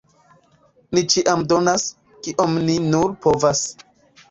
Ni ĉiam donas, kiom ni nur povas.